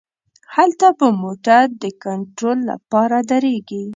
هلته به موټر د کنترول له پاره دریږي.